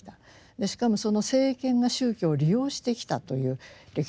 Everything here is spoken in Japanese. しかもその政権が宗教を利用してきたという歴史があるんですね。